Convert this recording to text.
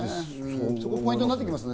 そこがポイントになってきますね。